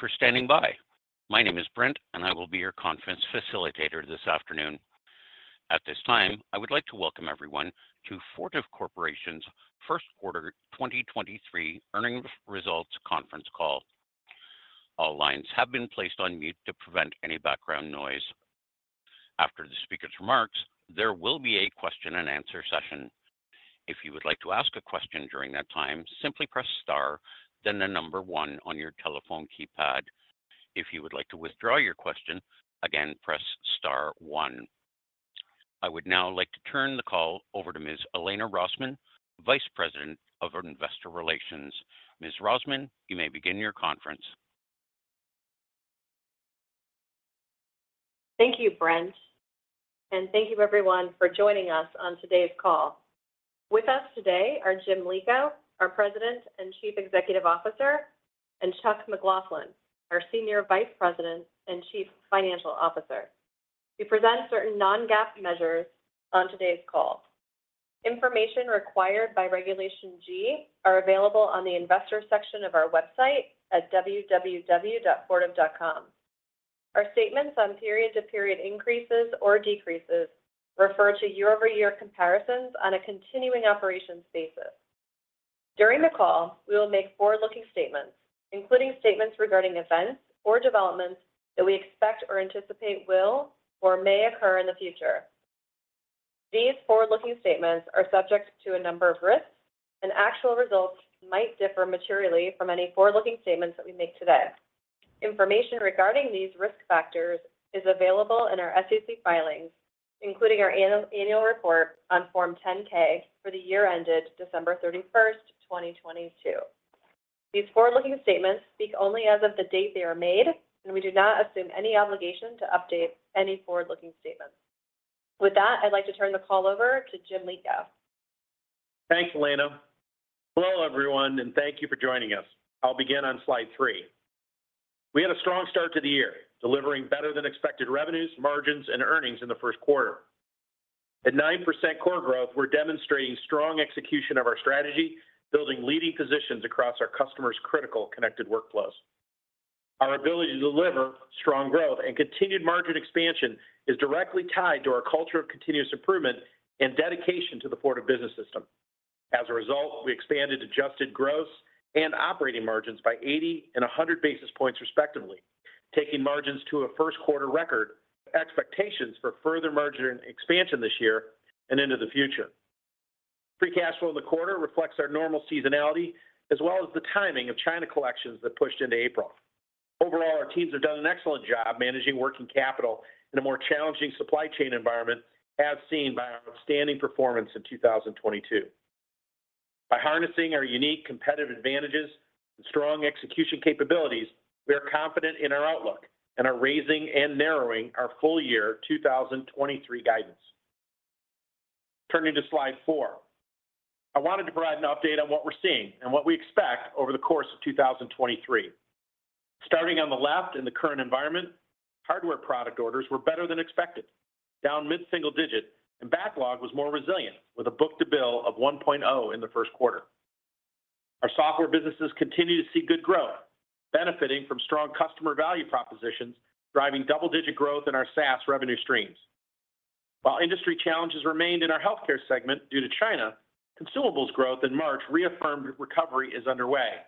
Thank you for standing by. My name is Brent, and I will be your conference facilitator this afternoon. At this time, I would like to welcome everyone to Fortive Corporation's first quarter 2023 earnings results conference call. All lines have been placed on mute to prevent any background noise. After the speaker's remarks, there will be a question-and-answer session. If you would like to ask a question during that time, simply press star then 1 on your telephone keypad. If you would like to withdraw your question, again, press star one. I would now like to turn the call over to Ms. Elena Rosman, Vice President of Investor Relations. Ms. Rosman, you may begin your conference. Thank you, Brent, and thank you everyone for joining us on today's call. With us today are Jim Lico, our President and Chief Executive Officer, and Chuck McLaughlin, our Senior Vice President and Chief Financial Officer. We present certain non-GAAP measures on today's call. Information required by Regulation G are available on the investor section of our website at www.fortive.com. Our statements on period-to-period increases or decreases refer to year-over-year comparisons on a continuing operations basis. During the call, we will make forward-looking statements, including statements regarding events or developments that we expect or anticipate will or may occur in the future. These forward-looking statements are subject to a number of risks, and actual results might differ materially from any forward-looking statements that we make today. Information regarding these risk factors is available in our SEC filings, including our annual report on Form 10-K for the year ended December 31st, 2022. These forward-looking statements speak only as of the date they are made, and we do not assume any obligation to update any forward-looking statements. With that, I'd like to turn the call over to Jim Lico. Thanks, Elena. Hello, everyone, and thank you for joining us. I'll begin on slide three. We had a strong start to the year, delivering better than expected revenues, margins, and earnings in the first quarter. At 9% core growth, we're demonstrating strong execution of our strategy, building leading positions across our customers' critical connected workflows. Our ability to deliver strong growth and continued margin expansion is directly tied to our culture of continuous improvement and dedication to the Fortive Business System. As a result, we expanded adjusted gross and operating margins by 80 and 100 basis points respectively, taking margins to a first quarter record expectations for further margin expansion this year and into the future. Free cash flow in the quarter reflects our normal seasonality as well as the timing of China collections that pushed into April. Overall, our teams have done an excellent job managing working capital in a more challenging supply chain environment as seen by our outstanding performance in 2022. By harnessing our unique competitive advantages and strong execution capabilities, we are confident in our outlook and are raising and narrowing our full year 2023 guidance. Turning to slide 4. I wanted to provide an update on what we're seeing and what we expect over the course of 2023. Starting on the left in the current environment, hardware product orders were better than expected, down mid-single digit, and backlog was more resilient with a book-to-bill of 1.0 in the first quarter. Our software businesses continue to see good growth, benefiting from strong customer value propositions, driving double-digit growth in our SaaS revenue streams. While industry challenges remained in our Healthcare segment due to China, consumables growth in March reaffirmed recovery is underway.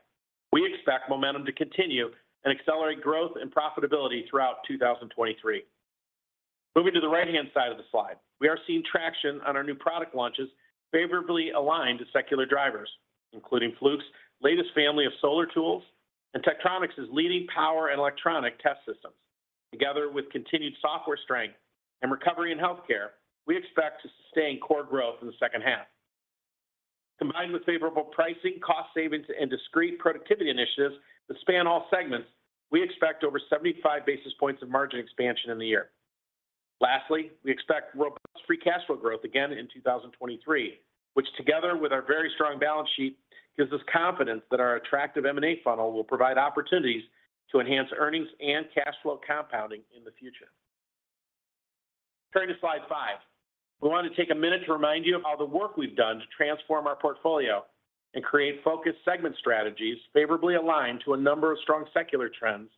We expect momentum to continue and accelerate growth and profitability throughout 2023. Moving to the right-hand side of the slide. We are seeing traction on our new product launches favorably aligned to secular drivers, including Fluke's latest family of solar tools and Tektronix's leading power and electronic test systems. Together with continued software strength and recovery in healthcare, we expect to sustain core growth in the second half. Combined with favorable pricing, cost savings, and discrete productivity initiatives to span all segments, we expect over 75 basis points of margin expansion in the year. Lastly, we expect robust free cash flow growth again in 2023, which together with our very strong balance sheet, gives us confidence that our attractive M&A funnel will provide opportunities to enhance earnings and cash flow compounding in the future. Turning to slide 5. We want to take a minute to remind you of all the work we've done to transform our portfolio and create focused segment strategies favorably aligned to a number of strong secular trends,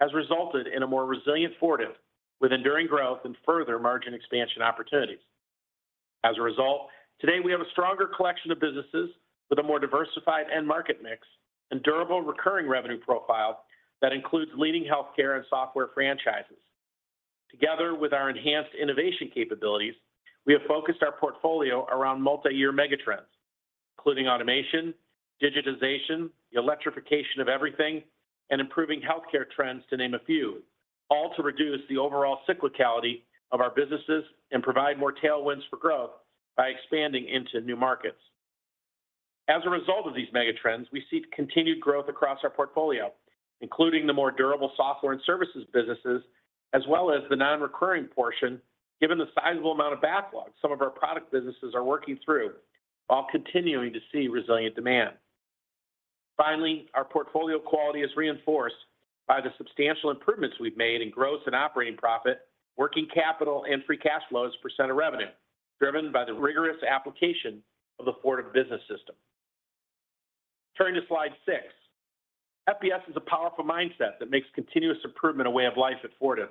has resulted in a more resilient Fortive with enduring growth and further margin expansion opportunities. As a result, today we have a stronger collection of businesses with a more diversified end market mix and durable recurring revenue profile that includes leading healthcare and software franchises. Together with our enhanced innovation capabilities, we have focused our portfolio around multi-year mega trends, including automation, digitization, the electrification of everything, and improving healthcare trends to name a few, all to reduce the overall cyclicality of our businesses and provide more tailwinds for growth by expanding into new markets. As a result of these mega trends, we see continued growth across our portfolio, including the more durable software and services businesses, as well as the non-recurring portion, given the sizable amount of backlog some of our product businesses are working through while continuing to see resilient demand. Finally, our portfolio quality is reinforced by the substantial improvements we've made in gross and operating profit, working capital, and free cash flows % of revenue, driven by the rigorous application of the Fortive Business System. Turning to slide 6. FBS is a powerful mindset that makes continuous improvement a way of life at Fortive.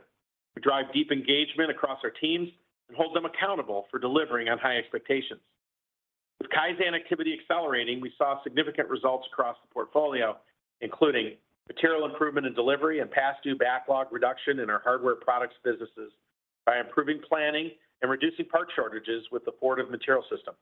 We drive deep engagement across our teams and hold them accountable for delivering on high expectations. With Kaizen activity accelerating, we saw significant results across the portfolio, including material improvement in delivery and past due backlog reduction in our hardware products businesses by improving planning and reducing part shortages with the Fortive Material System.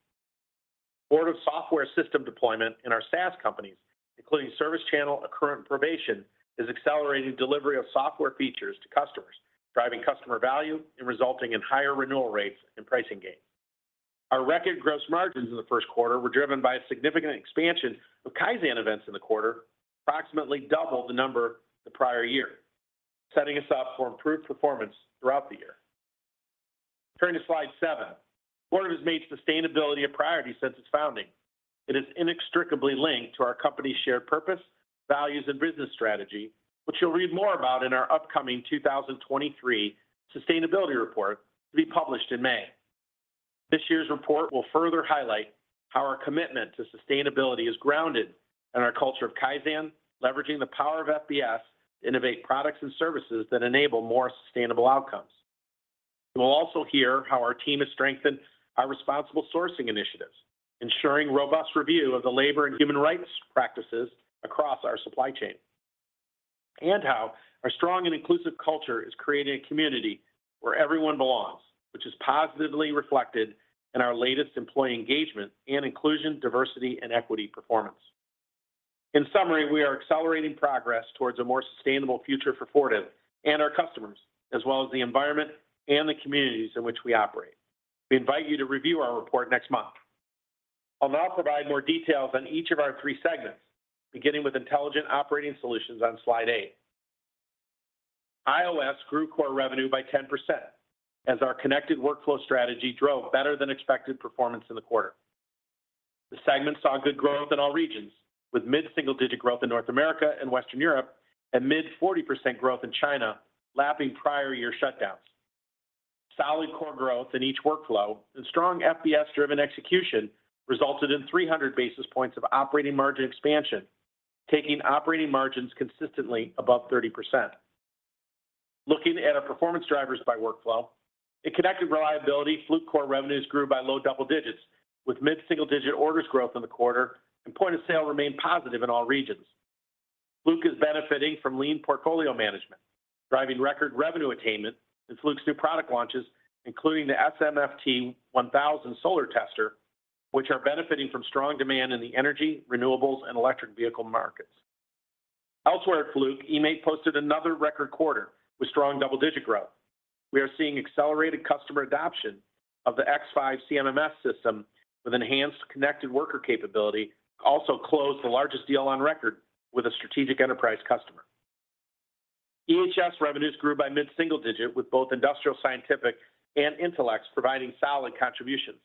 Fortive software system deployment in our SaaS companies, including ServiceChannel, Accruent Provation, is accelerating delivery of software features to customers, driving customer value and resulting in higher renewal rates and pricing gains. Our record gross margins in the first quarter were driven by a significant expansion of Kaizen events in the quarter, approximately double the number the prior year, setting us up for improved performance throughout the year. Turning to slide seven. Fortive has made sustainability a priority since its founding. It is inextricably linked to our company's shared purpose, values, and business strategy, which you'll read more about in our upcoming 2023 sustainability report to be published in May. This year's report will further highlight how our commitment to sustainability is grounded in our culture of Kaizen, leveraging the power of FBS to innovate products and services that enable more sustainable outcomes. You will also hear how our team has strengthened our responsible sourcing initiatives, ensuring robust review of the labor and human rights practices across our supply chain, and how our strong and inclusive culture is creating a community where everyone belongs, which is positively reflected in our latest employee engagement and inclusion, diversity, and equity performance. In summary, we are accelerating progress towards a more sustainable future for Fortive and our customers, as well as the environment and the communities in which we operate. We invite you to review our report next month. I'll now provide more details on each of our three segments, beginning with Intelligent Operating Solutions on slide 8. IOS grew core revenue by 10% as our connected workflow strategy drove better than expected performance in the quarter. The segment saw good growth in all regions, with mid-single-digit growth in North America and Western Europe and mid 40% growth in China, lapping prior year shutdowns. Solid core growth in each workflow and strong FBS-driven execution resulted in 300 basis points of operating margin expansion, taking operating margins consistently above 30%. Looking at our performance drivers by workflow, in Connected Reliability, Fluke core revenues grew by low double digits, with mid-single-digit orders growth in the quarter, and point-of-sale remained positive in all regions. Fluke is benefiting from lean portfolio management, driving record revenue attainment in Fluke's new product launches, including the SMFT-1000 solar tester, which are benefiting from strong demand in the energy, renewables, and electric vehicle markets. Elsewhere at Fluke, eMaint posted another record quarter with strong double-digit growth. We are seeing accelerated customer adoption of the X5 CMMS system with enhanced connected worker capability also closed the largest deal on record with a strategic enterprise customer. EHS revenues grew by mid-single digit with both Industrial Scientific and Intelex providing solid contributions.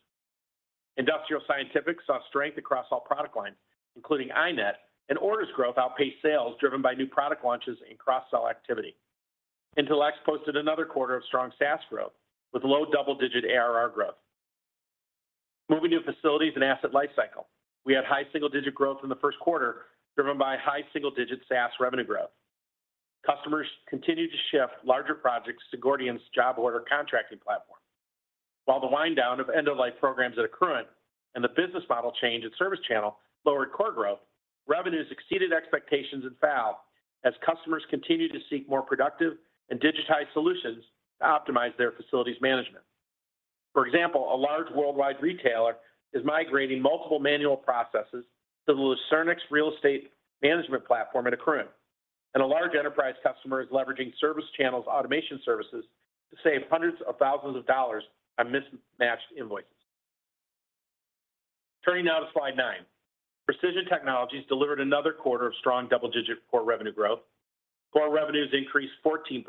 Industrial Scientific saw strength across all product lines, including iNet. Orders growth outpaced sales driven by new product launches and cross-sell activity. Intelex posted another quarter of strong SaaS growth with low double-digit ARR growth. Moving to Facilities & Asset Lifecycle. We had high single-digit growth in the first quarter, driven by high single-digit SaaS revenue growth. Customers continued to shift larger projects to Gordian's Job Order Contracting platform. While the wind-down of end-of-life programs at Accruent and the business model change at ServiceChannel lowered core growth, revenues exceeded expectations at FAL as customers continued to seek more productive and digitized solutions to optimize their facilities management. For example, a large worldwide retailer is migrating multiple manual processes to the Lucernex real estate management platform at Accruent, and a large enterprise customer is leveraging ServiceChannel's automation services to save hundreds of thousands of dollars on mismatched invoices. Turning now to slide 9. Precision Technologies delivered another quarter of strong double-digit core revenue growth. Core revenues increased 14%,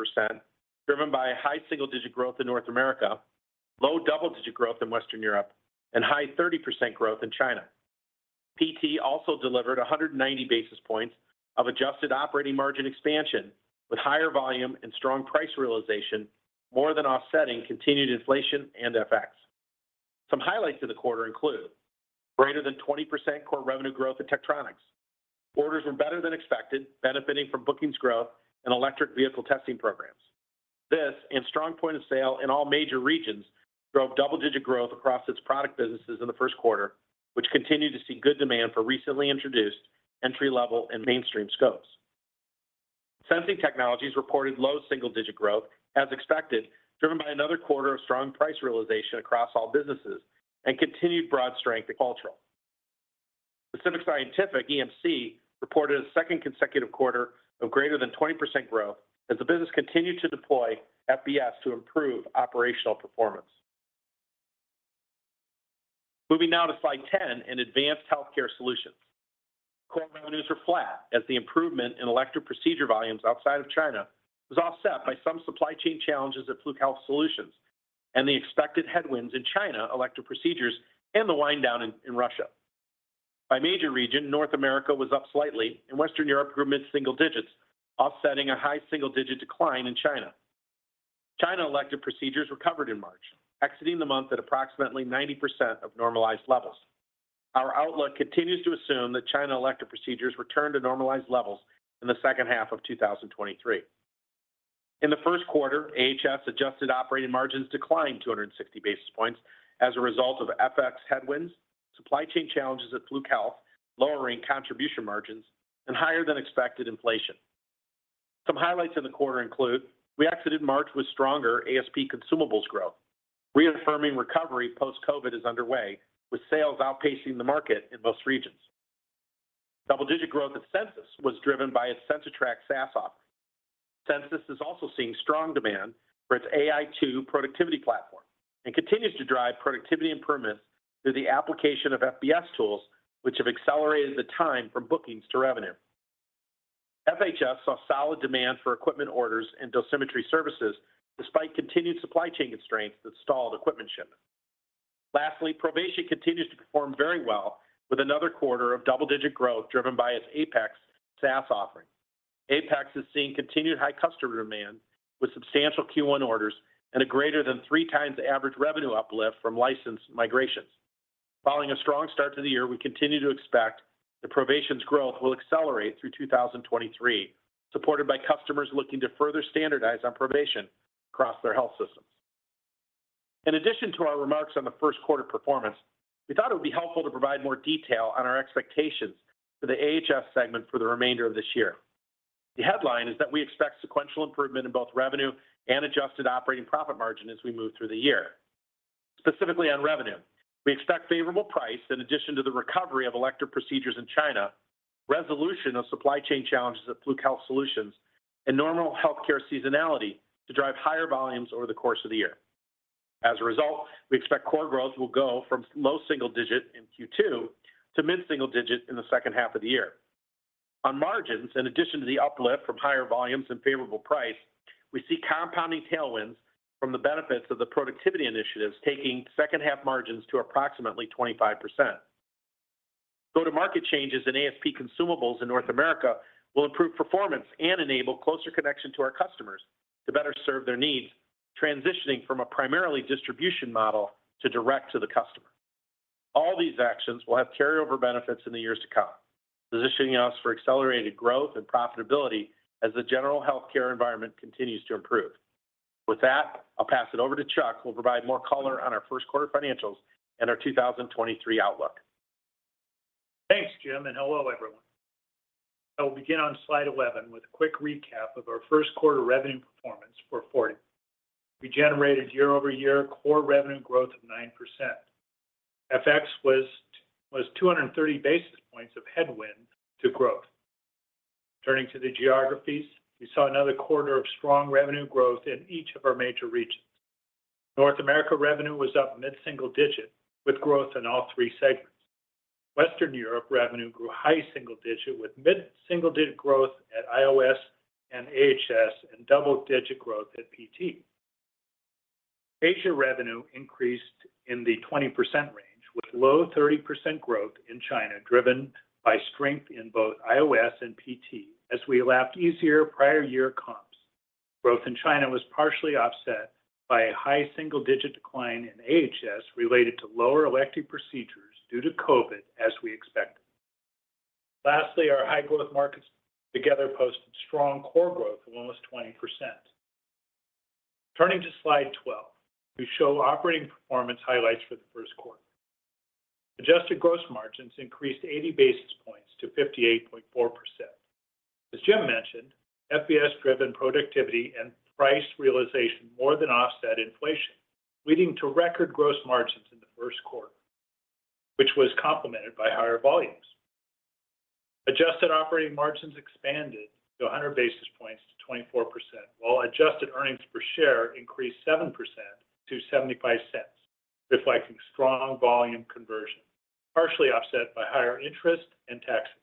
driven by high single-digit growth in North America, low double-digit growth in Western Europe, and high 30% growth in China. PT also delivered 190 basis points of adjusted operating margin expansion, with higher volume and strong price realization more than offsetting continued inflation and FX. Some highlights of the quarter include greater than 20% core revenue growth at Tektronix. Orders were better than expected, benefiting from bookings growth and electric vehicle testing programs. This and strong point of sale in all major regions drove double-digit growth across its product businesses in the first quarter, which continued to see good demand for recently introduced entry-level and mainstream scopes. Sensing Technologies reported low single-digit growth, as expected, driven by another quarter of strong price realization across all businesses and continued broad strength in cultural. Pacific Scientific EMC reported a second consecutive quarter of greater than 20% growth as the business continued to deploy FBS to improve operational performance. Moving now to slide 10 in Advanced Healthcare Solutions. Core revenues were flat as the improvement in elective procedure volumes outside of China was offset by some supply chain challenges at Fluke Health Solutions and the expected headwinds in China, elective procedures, and the wind down in Russia. By major region, North America was up slightly, and Western Europe grew mid-single digits, offsetting a high single-digit decline in China. China elective procedures recovered in March, exiting the month at approximately 90% of normalized levels. Our outlook continues to assume that China elective procedures return to normalized levels in the second half of 2023. In the first quarter, AHS adjusted operating margins declined 260 basis points as a result of FX headwinds, supply chain challenges at Fluke Health, lowering contribution margins, and higher than expected inflation. Some highlights in the quarter include we exited March with stronger ASP consumables growth, reaffirming recovery post-COVID is underway with sales outpacing the market in most regions. Double-digit growth at Censis was driven by its CensiTrac SaaS offering. Censis is also seeing strong demand for its Censis AI productivity platform and continues to drive productivity improvements through the application of FBS tools, which have accelerated the time from bookings to revenue. FHS saw solid demand for equipment orders and dosimetry services despite continued supply chain constraints that stalled equipment shipments. Provation continues to perform very well with another quarter of double-digit growth driven by its Apex SaaS offering. Apex is seeing continued high customer demand with substantial first quarter orders and a greater than 3 times the average revenue uplift from licensed migrations. Following a strong start to the year, we continue to expect that Provation's growth will accelerate through 2023, supported by customers looking to further standardize on Provation across their health systems. In addition to our remarks on the first quarter performance, we thought it would be helpful to provide more detail on our expectations for the AHS segment for the remainder of this year. The headline is that we expect sequential improvement in both revenue and adjusted operating profit margin as we move through the year. Specifically on revenue, we expect favorable price in addition to the recovery of elective procedures in China, resolution of supply chain challenges at Fluke Health Solutions, and normal healthcare seasonality to drive higher volumes over the course of the year. As a result, we expect core growth will go from low single-digit in Q2 to mid-single-digit in the second half of the year. On margins, in addition to the uplift from higher volumes and favorable price, we see compounding tailwinds from the benefits of the productivity initiatives taking second half margins to approximately 25%. Go-to-market changes in ASP consumables in North America will improve performance and enable closer connection to our customers to better serve their needs, transitioning from a primarily distribution model to direct to the customer. All these actions will have carryover benefits in the years to come, positioning us for accelerated growth and profitability as the general healthcare environment continues to improve. With that, I'll pass it over to Chuck, who will provide more color on our first quarter financials and our 2023 outlook. Thanks, Jim. Hello, everyone. I will begin on slide 11 with a quick recap of our first quarter revenue performance for Fortive. We generated year-over-year core revenue growth of 9%. FX was 230 basis points of headwind to growth. Turning to the geographies, we saw another quarter of strong revenue growth in each of our major regions. North America revenue was up mid-single digit with growth in all three segments. Western Europe revenue grew high single digit with mid-single digit growth at IOS and AHS and double-digit growth at PT. Asia revenue increased in the 20% range with low 30% growth in China, driven by strength in both IOS and PT as we lapped easier prior year comps. Growth in China was partially offset by a high single-digit decline in AHS related to lower elective procedures due to COVID, as we expected. Our high-growth markets together posted strong core growth of almost 20%. Turning to slide 12, we show operating performance highlights for the first quarter. Adjusted gross margins increased 80 basis points to 58.4%. As Jim mentioned, FBS-driven productivity and price realization more than offset inflation, leading to record gross margins in the first quarter, which was complemented by higher volumes. Adjusted operating margins expanded to 100 basis points to 24%, while adjusted earnings per share increased 7% to $0.75, reflecting strong volume conversion, partially offset by higher interest and taxes.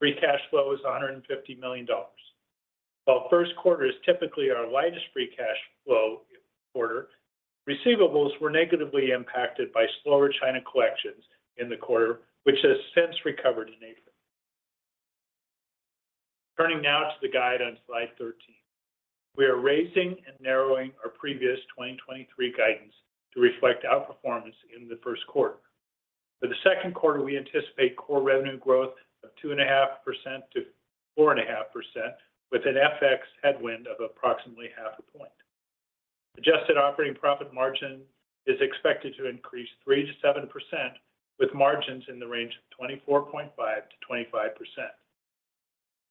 Free cash flow is $150 million. While first quarter is typically our lightest free cash flow quarter, receivables were negatively impacted by slower China collections in the quarter, which has since recovered in April. Turning now to the guide on slide 13. We are raising and narrowing our previous 2023 guidance to reflect outperformance in the first quarter. For the 2nd quarter, we anticipate core revenue growth of 2.5%-4.5%, with an FX headwind of approximately 0.5 point. Adjusted operating profit margin is expected to increase 3%-7%, with margins in the range of 24.5%-25%.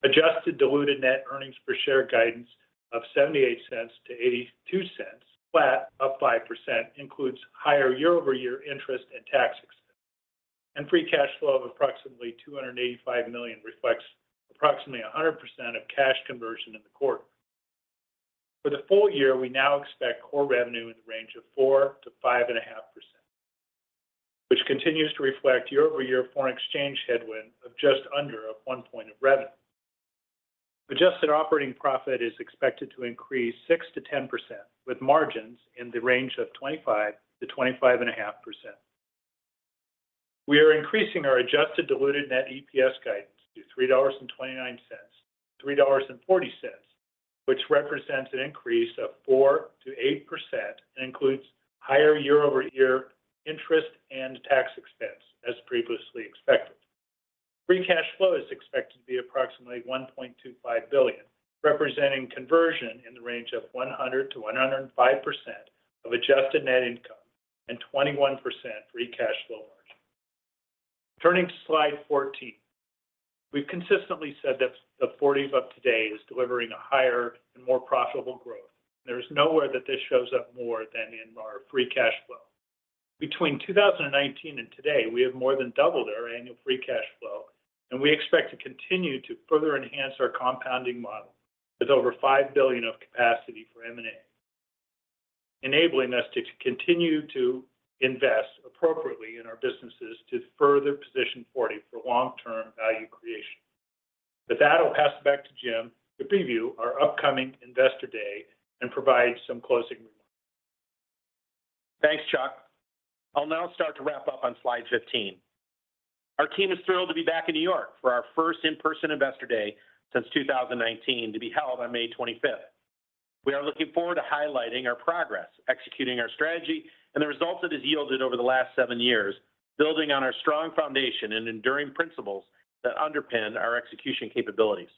Adjusted diluted net earnings per share guidance of $0.78-$0.82, flat, up 5%, includes higher year-over-year interest and tax expense. Free cash flow of approximately $285 million reflects approximately 100% of cash conversion in the quarter. For the full year, we now expect core revenue in the range of 4%-5.5%, which continues to reflect year-over-year foreign exchange headwind of just under 1 point of revenue. Adjusted operating profit is expected to increase 6%-10%, with margins in the range of 25%-25.5%. We are increasing our adjusted diluted net EPS guidance to $3.29-$3.40, which represents an increase of 4%-8% and includes higher year-over-year interest and tax expense as previously expected. Free cash flow is expected to be approximately $1.25 billion, representing conversion in the range of 100%-105% of adjusted net income and 21% free cash flow margin. Turning to slide 14, we've consistently said that the Fortive of today is delivering a higher and more profitable growth. There is nowhere that this shows up more than in our free cash flow. Between 2019 and today, we have more than doubled our annual free cash flow. We expect to continue to further enhance our compounding model with over $5 billion of capacity for M&A, enabling us to continue to invest appropriately in our businesses to further position Fortive for long-term value creation. With that, I'll pass it back to Jim to preview our upcoming Investor Day and provide some closing remarks. Thanks, Chuck. I'll now start to wrap up on slide 15. Our team is thrilled to be back in New York for our first in-person Investor Day since 2019 to be held on May 25th. We are looking forward to highlighting our progress, executing our strategy, and the results it has yielded over the last seven years, building on our strong foundation and enduring principles that underpin our execution capabilities.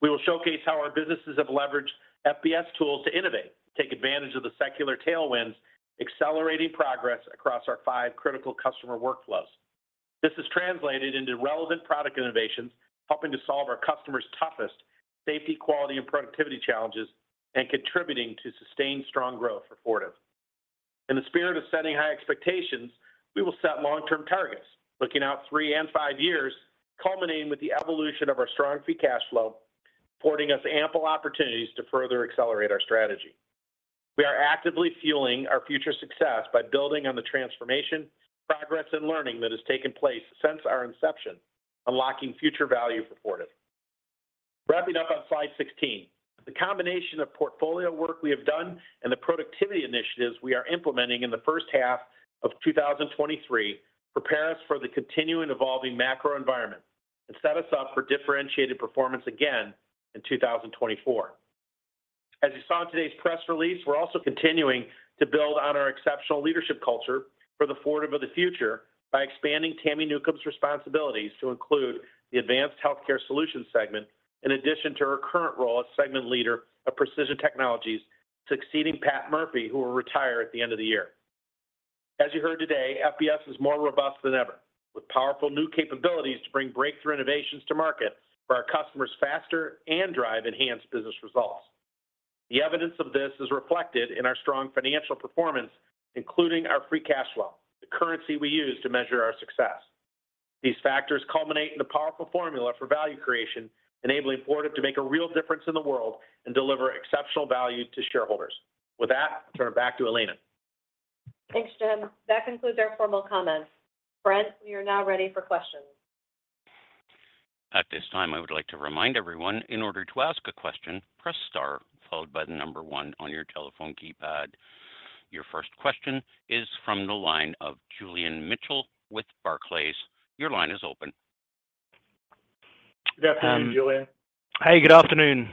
We will showcase how our businesses have leveraged FBS tools to innovate, take advantage of the secular tailwinds, accelerating progress across our five critical customer workflows. This is translated into relevant product innovations, helping to solve our customers' toughest safety, quality, and productivity challenges, and contributing to sustained strong growth for Fortive. In the spirit of setting high expectations, we will set long-term targets, looking out 3 and 5 years, culminating with the evolution of our strong free cash flow, porting us ample opportunities to further accelerate our strategy. We are actively fueling our future success by building on the transformation, progress, and learning that has taken place since our inception, unlocking future value for Fortive. Wrapping up on slide 16, the combination of portfolio work we have done and the productivity initiatives we are implementing in the first half of 2023 prepare us for the continuing evolving macro environment and set us up for differentiated performance again in 2024. As you saw in today's press release, we're also continuing to build on our exceptional leadership culture for the Fortive of the future by expanding Tami Newcombe's responsibilities to include the Advanced Healthcare Solutions segment, in addition to her current role as segment leader of Precision Technologies, succeeding Pat Murphy, who will retire at the end of the year. As you heard today, FBS is more robust than ever, with powerful new capabilities to bring breakthrough innovations to market for our customers faster and drive enhanced business results. The evidence of this is reflected in our strong financial performance, including our free cash flow, the currency we use to measure our success. These factors culminate in the powerful formula for value creation, enabling Fortive to make a real difference in the world and deliver exceptional value to shareholders. With that, I'll turn it back to Elena. Thanks, Jim. That concludes our formal comments. Brent, we are now ready for questions. At this time, I would like to remind everyone, in order to ask a question, press star followed by the 1 on your telephone keypad. Your first question is from the line of Julian Mitchell with Barclays. Your line is open. Good afternoon, Julian. Hey, good afternoon.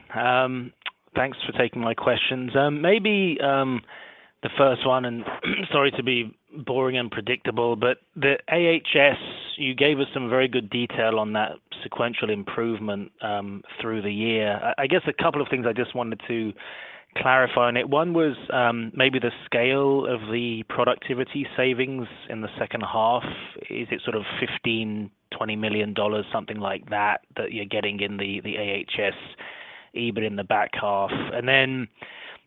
Thanks for taking my questions. Maybe the first one, sorry to be boring and predictable, but the AHS, you gave us some very good detail on that sequential improvement through the year. I guess a couple of things I just wanted to clarify on it. One was, maybe the scale of the productivity savings in the second half. Is it sort of $15 million-$20 million, something like that you're getting in the AHS, even in the back half?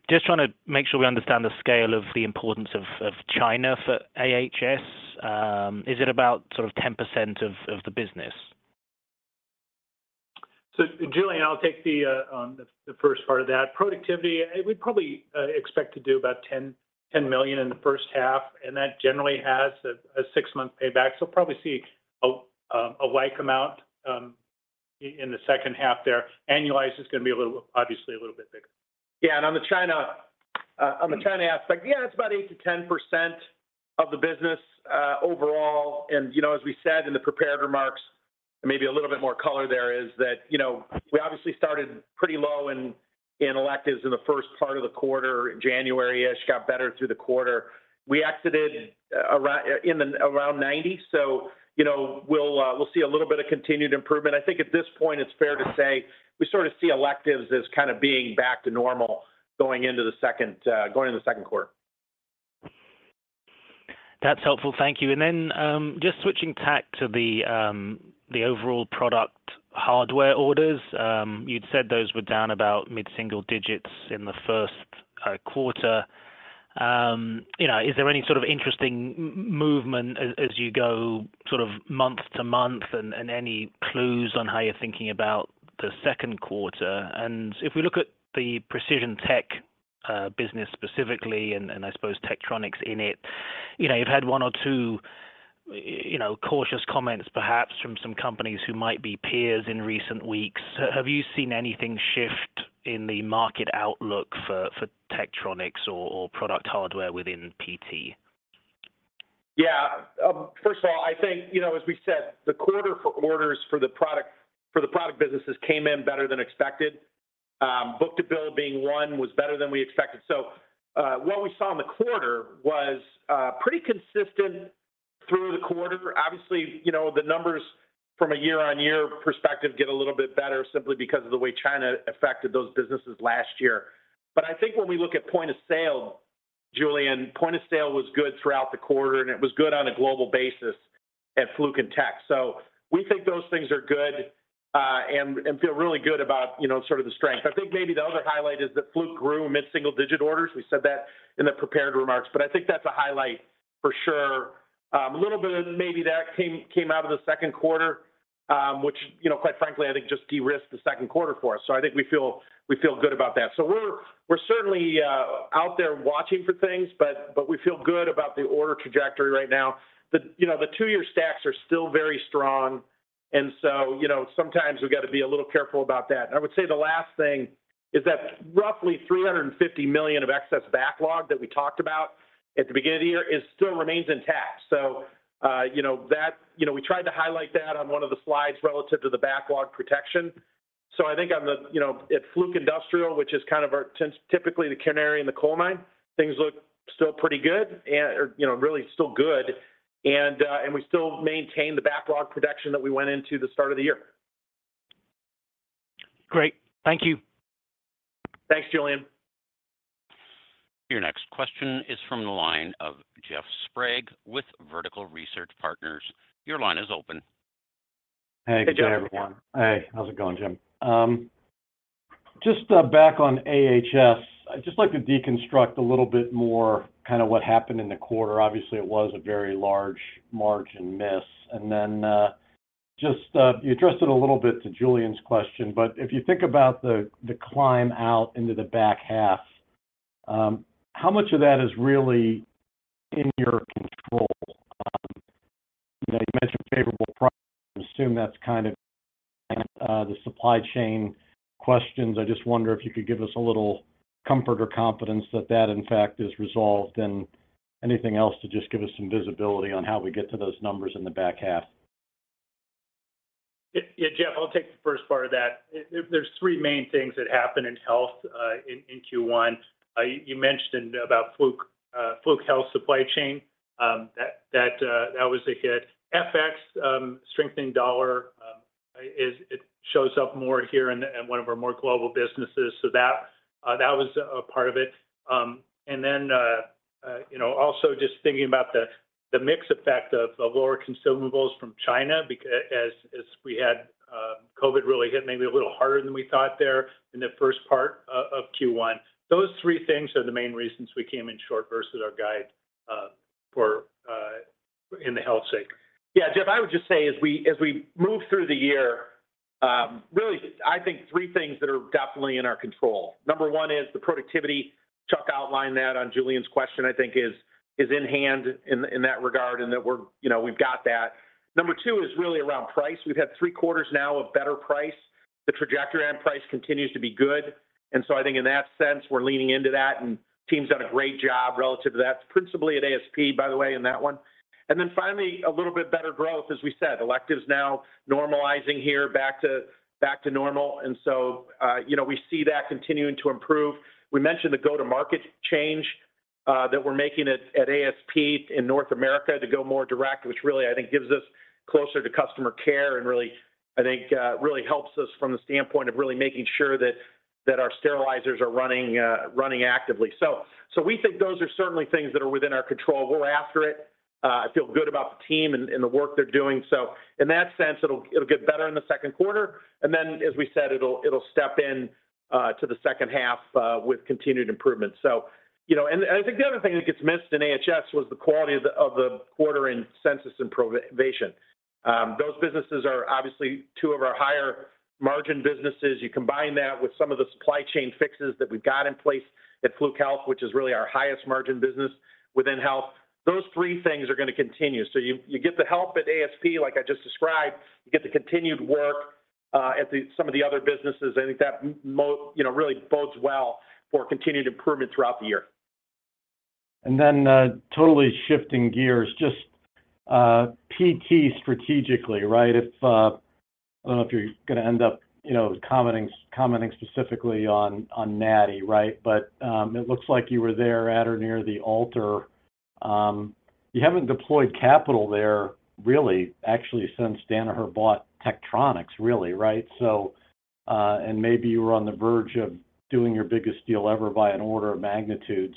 Just wanna make sure we understand the scale of the importance of China for AHS. Is it about sort of 10% of the business? Julian, I'll take the first part of that. Productivity, we probably expect to do about $10 million in the first half, and that generally has a 6-month payback. Probably see a like amount in the second half there. Annualized is gonna be a little, obviously a little bit bigger. Yeah, and on the China aspect, yeah, it's about 8%-10% of the business overall. You know, as we said in the prepared remarks, maybe a little bit more color there is that, you know, we obviously started pretty low in electives in the first part of the quarter, January-ish. Got better through the quarter. We exited around 90. You know, we'll see a little bit of continued improvement. I think at this point, it's fair to say we sort of see electives as kind of being back to normal going into the second quarter. That's helpful. Thank you. Just switching tack to the overall product hardware orders. You'd said those were down about mid-single digits in the first quarter. You know, is there any sort of interesting movement as you go sort of month to month and any clues on how you're thinking about the second quarter? If we look at the Precision Tech business specifically, and I suppose Tektronix in it, you know, you've had one or two, you know, cautious comments perhaps from some companies who might be peers in recent weeks. Have you seen anything shift in the market outlook for Tektronix or product hardware within PT? First of all, I think, you know, as we said, the quarter for orders for the product businesses came in better than expected. Book-to-bill being 1 was better than we expected. What we saw in the quarter was pretty consistent through the quarter. Obviously, you know, the numbers from a year-on-year perspective get a little bit better simply because of the way China affected those businesses last year. I think when we look at point of sale, Julian, point of sale was good throughout the quarter, and it was good on a global basis at Fluke and Tech. We think those things are good and feel really good about, you know, sort of the strength. I think maybe the other highlight is that Fluke grew mid-single-digit orders. We said that in the prepared remarks, but I think that's a highlight for sure. A little bit of maybe that came out of the second quarter, which, you know, quite frankly, I think just de-risked the second quarter for us. I think we feel good about that. We're certainly out there watching for things, but we feel good about the order trajectory right now. The, you know, the 2-year stacks are still very strong, you know, sometimes we've got to be a little careful about that. I would say the last thing is that roughly $350 million of excess backlog that we talked about at the beginning of the year is still remains intact. You know, that, you know, we tried to highlight that on one of the slides relative to the backlog protection. I think on the, you know, at Fluke Industrial, which is kind of typically the canary in the coal mine, things look still pretty good and, or, you know, really still good. And we still maintain the backlog protection that we went into the start of the year. Great. Thank you. Thanks, Julian. Your next question is from the line of Jeff Sprague with Vertical Research Partners. Your line is open. Hey, Jeff. How are you? Hey. Good day, everyone. Hey, how's it going, Jim? Back on AHS, I'd like to deconstruct a little bit more what happened in the quarter. Obviously, it was a very large margin miss. You addressed it a little bit to Julian's question, but if you think about the climb out into the back half, how much of that is really in your control? You know, you mentioned favorable prices. I assume that's the supply chain questions. I wonder if you could give us a little comfort or confidence that that in fact is resolved and anything else to just give us some visibility on how we get to those numbers in the back half. Yeah. Yeah. Jeff, I'll take the first part of that. There's three main things that happened in health in first quarter. You mentioned about Fluke health supply chain, that was a hit. FX, strengthening dollar, it shows up more here in one of our more global businesses. That was a part of it. You know, also just thinking about the mix effect of lower consumables from China as we had COVID really hit maybe a little harder than we thought there in the first part of first quarter. Those three things are the main reasons we came in short versus our guide for in the health sector. Yeah, Jeff Sprague, I would just say as we move through the year, really I think 3 things that are definitely in our control. Number 1 is the productivity. Chuck McLaughlin outlined that on Julian Mitchell's question, I think is in hand in that regard, that we're, you know, we've got that. Number 2 is really around price. We've had 3 quarters now of better price. The trajectory on price continues to be good. I think in that sense, we're leaning into that, and team's done a great job relative to that, principally at ASP, by the way, in that one. Finally, a little bit better growth, as we said, electives now normalizing here back to normal. You know, we see that continuing to improve. We mentioned the go-to-market change that we're making at ASP in North America to go more direct, which really I think gives us closer to customer care and really I think really helps us from the standpoint of really making sure that our sterilizers are running actively. We think those are certainly things that are within our control. We're after it. I feel good about the team and the work they're doing. In that sense, it'll get better in the second quarter. As we said, it'll step in to the second half with continued improvement. You know, and I think the other thing that gets missed in AHS was the quality of the quarter in Censis and Provation. Those businesses are obviously 2 of our higher margin businesses. You combine that with some of the supply chain fixes that we've got in place at Fluke Health, which is really our highest margin business within health. Those three things are gonna continue. You get the help at ASP, like I just described. You get the continued work at the some of the other businesses. I think that you know, really bodes well for continued improvement throughout the year. Then, totally shifting gears, just PT strategically, right? If, I don't know if you're gonna end up, you know, commenting specifically on National Instruments, right? It looks like you were there at or near the altar. You haven't deployed capital there really actually since Danaher bought Tektronix really, right? And maybe you were on the verge of doing your biggest deal ever by an order of magnitude.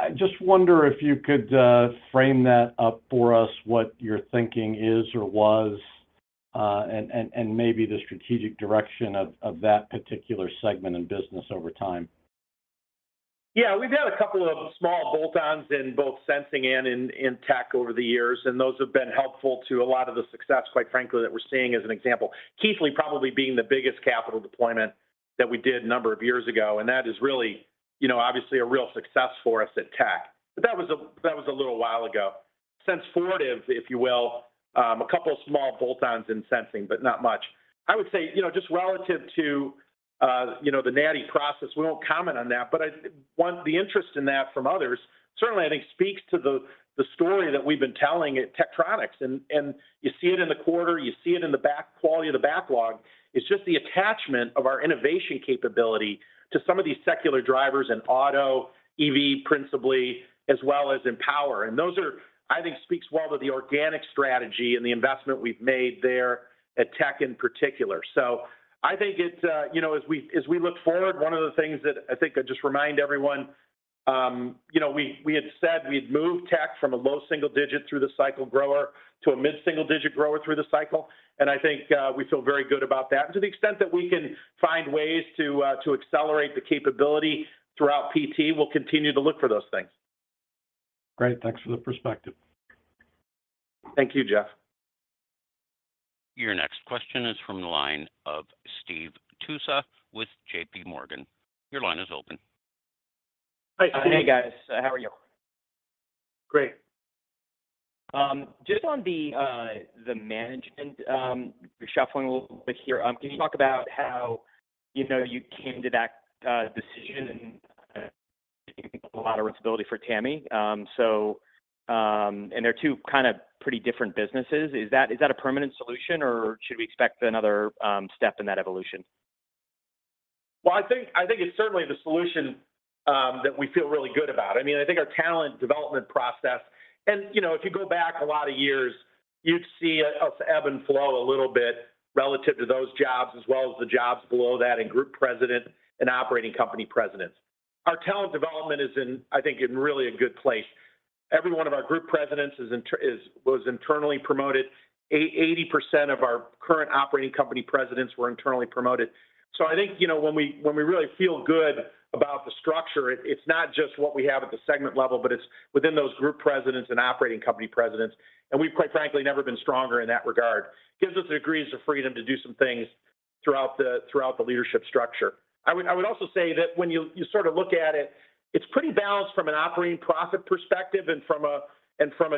I just wonder if you could frame that up for us, what your thinking is or was, and, and maybe the strategic direction of that particular segment and business over time. Yeah. We've had a couple of small bolt-ons in both Sensing and in Tech over the years, and those have been helpful to a lot of the success, quite frankly, that we're seeing as an example. Keithley probably being the biggest capital deployment that we did a number of years ago, and that is really, you know, obviously a real success for us at Tech. That was a little while ago. Sense forward if you will, a couple of small bolt-ons in Sensing, but not much. I would say, you know, just relative to, you know, the National Instruments process, we won't comment on that. The interest in that from others certainly I think speaks to the story that we've been telling at Tektronix and you see it in the quarter, you see it in the back quality of the backlog. It's just the attachment of our innovation capability to some of these secular drivers in auto, EV principally, as well as in power. Those are, I think speaks well to the organic strategy and the investment we've made there at Tech in particular. I think it's, you know, as we look forward, one of the things that I just remind everyone, you know, we had said we'd move Tech from a low single-digit through the cycle grower to a mid-single-digit grower through the cycle. I think we feel very good about that. To the extent that we can find ways to accelerate the capability throughout PT, we'll continue to look for those things. Great. Thanks for the perspective. Thank you, Jeff. Your next question is from the line of Steve Tusa with JPMorgan. Your line is open. Hi, Steve. Hey, guys. How are you? Great. Just on the management reshuffling a little bit here. Can you talk about how, you know, you came to that decision and a lot of responsibility for Tami. They're two kind of pretty different businesses. Is that, is that a permanent solution or should we expect another step in that evolution? Well, I think it's certainly the solution that we feel really good about. I mean, I think our talent development process. You know, if you go back a lot of years, you'd see us ebb and flow a little bit relative to those jobs as well as the jobs below that in group president and operating company presidents. Our talent development is, I think, in really a good place. Every one of our group presidents was internally promoted. 80% of our current operating company presidents were internally promoted. I think, you know, when we really feel good about the structure, it's not just what we have at the segment level, but it's within those group presidents and operating company presidents. We've quite frankly never been stronger in that regard. Gives us the degrees of freedom to do some things throughout the leadership structure. I would also say that when you sort of look at it's pretty balanced from an operating profit perspective and from a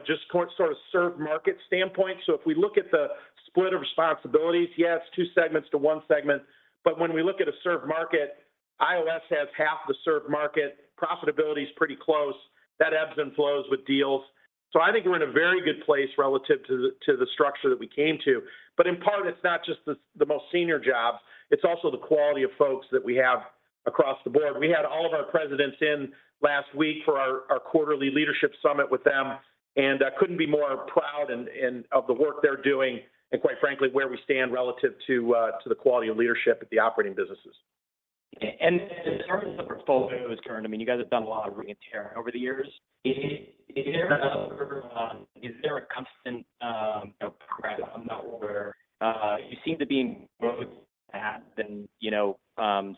just sort of served market standpoint. If we look at the split of responsibilities, yes, two segments to one segment. When we look at a served market, IOS has half the served market. Profitability is pretty close. That ebbs and flows with deals. I think we're in a very good place relative to the structure that we came to. In part, it's not just the most senior jobs, it's also the quality of folks that we have across the board. We had all of our presidents in last week for our quarterly leadership summit with them. I couldn't be more proud and of the work they're doing and quite frankly, where we stand relative to the quality of leadership at the operating businesses. In terms of the portfolio is concerned, I mean, you guys have done a lot of re-engineering over the years. Is there a, you know, progress on that order? You seem to be in roads that have been, you know,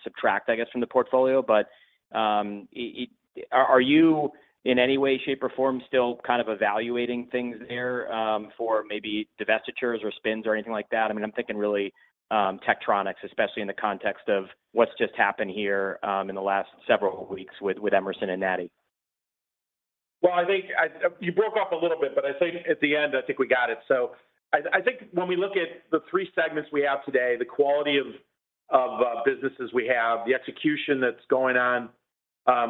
subtract, I guess, from the portfolio. Are you in any way, shape, or form still kind of evaluating things there for maybe divestitures or spins or anything like that? I mean, I'm thinking really, Tektronix, especially in the context of what's just happened here in the last several weeks with Emerson and National Instruments. I think You broke up a little bit, but I think at the end, I think we got it. I think when we look at the 3 segments we have today, the quality of businesses we have, the execution that's going on,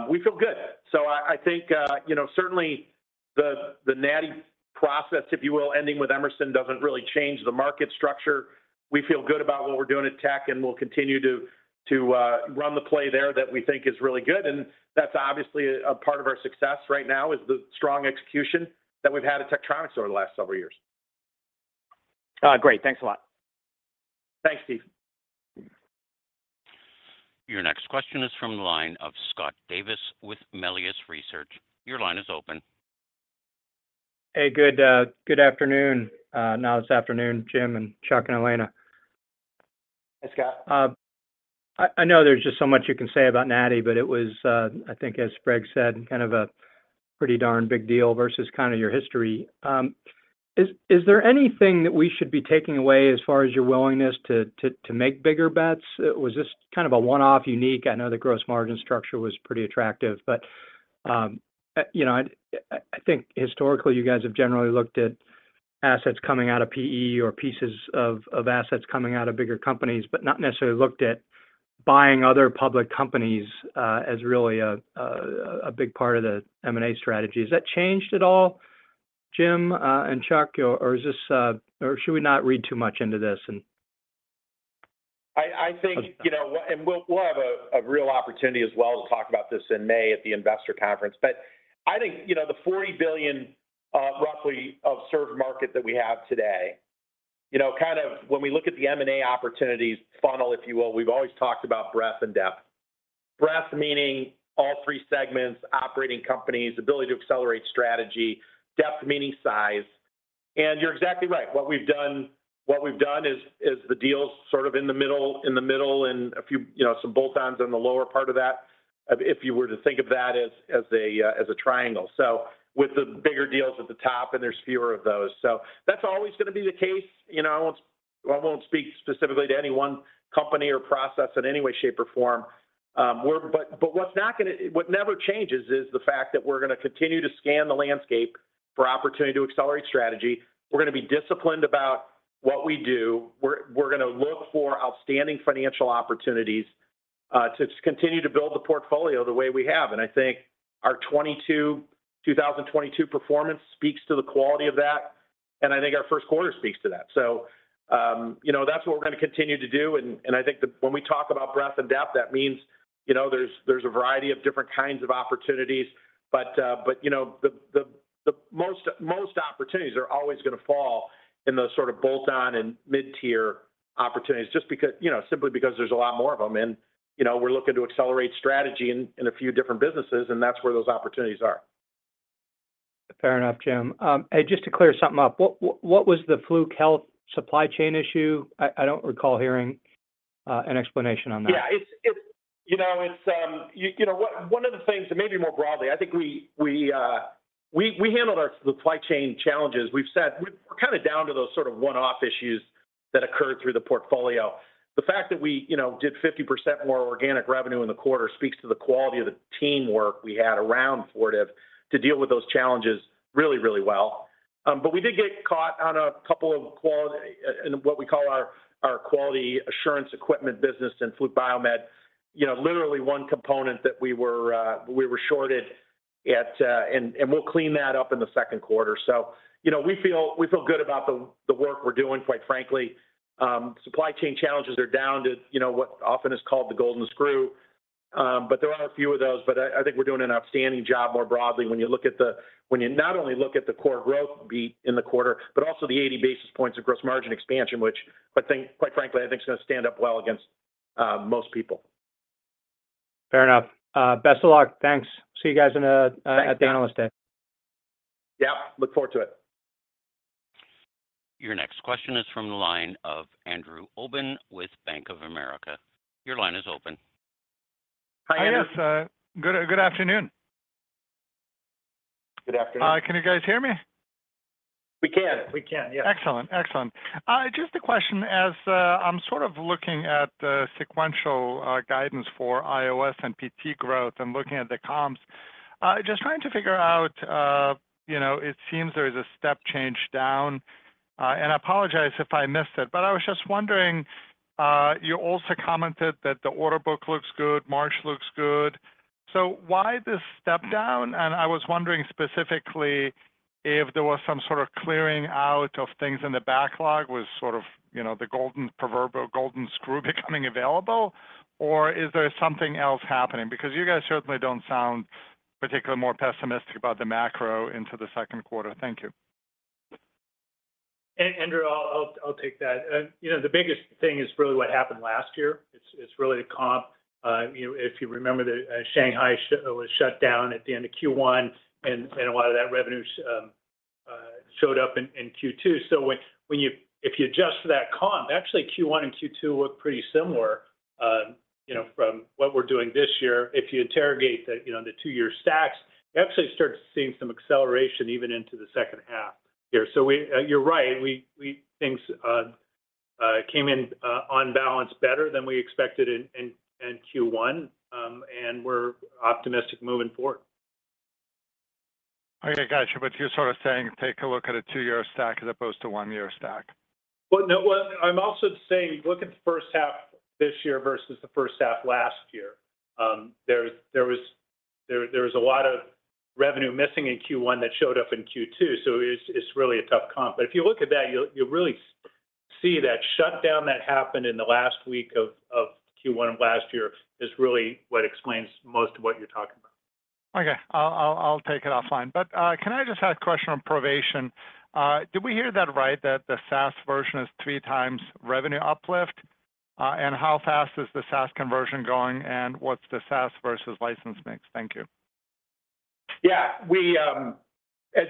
we feel good. I think, you know, certainly the National Instruments process, if you will, ending with Emerson doesn't really change the market structure. We feel good about what we're doing at Tech, and we'll continue to run the play there that we think is really good. That's obviously a part of our success right now is the strong execution that we've had at Tektronix over the last several years. Great. Thanks a lot. Thanks, Steve. Your next question is from the line of Scott Davis with Melius Research. Your line is open. Hey, good afternoon, now this afternoon, Jim and Chuck and Elena. Hey, Scott. I know there's just so much you can say about National Instruments, but it was, I think as Jeff said, kind of a pretty darn big deal versus kind of your history. Is there anything that we should be taking away as far as your willingness to make bigger bets? Was this kind of a one-off unique? I know the gross margin structure was pretty attractive, but, you know, I think historically you guys have generally looked at assets coming out of PE or pieces of assets coming out of bigger companies, but not necessarily looked at buying other public companies as really a big part of the M&A strategy. Has that changed at all, Jim and Chuck, or is this or should we not read too much into this and... I think, you know, we'll have a real opportunity as well to talk about this in May at the investor conference. I think, you know, the $40 billion roughly of served market that we have today, you know, kind of when we look at the M&A opportunities funnel, if you will, we've always talked about breadth and depth. Breadth meaning all three segments, operating companies, ability to accelerate strategy, depth meaning size. You're exactly right. What we've done is the deals sort of in the middle and a few, you know, some bolt-ons on the lower part of that, if you were to think of that as a triangle. With the bigger deals at the top, and there's fewer of those. That's always gonna be the case. You know, I won't speak specifically to any one company or process in any way, shape, or form. What never changes is the fact that we're gonna continue to scan the landscape for opportunity to accelerate strategy. We're gonna be disciplined about what we do. We're gonna look for outstanding financial opportunities to just continue to build the portfolio the way we have. I think our 2022 performance speaks to the quality of that, and I think our first quarter speaks to that. You know, that's what we're gonna continue to do and I think the when we talk about breadth and depth, that means, you know, there's a variety of different kinds of opportunities. You know, the most opportunities are always going to fall in those sort of bolt-on and mid-tier opportunities just because, you know, simply because there's a lot more of them. You know, we're looking to accelerate strategy in a few different businesses, and that's where those opportunities are. Fair enough, Jim. Hey, just to clear something up. What was the Fluke Health supply chain issue? I don't recall hearing an explanation on that. You know, one of the things and maybe more broadly, I think we handled our supply chain challenges. We've said we're kinda down to those sort of one-off issues that occurred through the portfolio. The fact that we, you know, did 50% more organic revenue in the quarter speaks to the quality of the teamwork we had around Fortive to deal with those challenges really, really well. We did get caught on a couple of quality in what we call our quality assurance equipment business in Fluke Health. You know, literally one component that we were shorted at. We'll clean that up in the second quarter. You know, we feel good about the work we're doing, quite frankly. Supply chain challenges are down to, you know, what often is called the golden screw. There are a few of those, but I think we're doing an outstanding job more broadly when you not only look at the core growth beat in the quarter, but also the 80 basis points of gross margin expansion, which I think, quite frankly, I think is gonna stand up well against most people. Fair enough. Best of luck. Thanks. See you guys. Thanks... at Analyst Day. Yeah. Look forward to it. Your next question is from the line of Andrew Obin with Bank of America. Your line is open. Hi, Andrew. Hi, guys. good afternoon. Good afternoon. Can you guys hear me? We can. We can, yeah. Excellent. Excellent. Just a question. As I'm sort of looking at the sequential guidance for IOS and PT growth and looking at the comps, just trying to figure out, you know, it seems there is a step change down. I apologize if I missed it, but I was just wondering, you also commented that the order book looks good, March looks good. Why this step down? I was wondering specifically if there was some sort of clearing out of things in the backlog. Was sort of, you know, the proverbial golden screw becoming available, or is there something else happening? You guys certainly don't sound particularly more pessimistic about the macro into the second quarter. Thank you. Andrew, I'll take that. you know, the biggest thing is really what happened last year. It's really the comp. you know, if you remember that, Shanghai was shut down at the end of first quarter and a lot of that revenue showed up in Q2. When if you adjust for that comp, actually first quarter and Q2 look pretty similar, you know, from what we're doing this year. If you interrogate the, you know, the two-year stacks, you actually start seeing some acceleration even into the second half here. You're right. We Things came in on balance better than we expected in first quarter, and we're optimistic moving forward. Okay. Gotcha. You're sort of saying take a look at a 2-year stack as opposed to 1-year stack. No. I'm also saying look at the first half this year versus the first half last year. There was a lot of revenue missing in first quarter that showed up in Q2, so it's really a tough comp. If you look at that, you'll really see that shutdown that happened in the last week of first quarter of last year is really what explains most of what you're talking about. Okay. I'll take it offline. Can I just ask a question on Provation? Did we hear that right, that the SaaS version is 3 times revenue uplift? How fast is the SaaS conversion going, and what's the SaaS versus license mix? Thank you. Yeah. We.